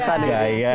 gerakan non block ya